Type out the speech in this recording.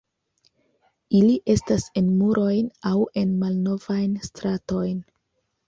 Ili estas en murojn aŭ en malnovajn stratojn.